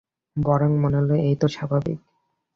বরং মনে হল এই তো স্বাভাবিক।